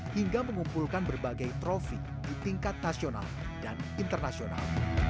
hingga mengumpulkan berbagai trofi di tingkat nasional dan internasional